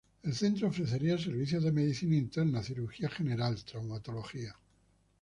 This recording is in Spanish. El centro ofrecería servicios de medicina interna, cirugía general, traumatología.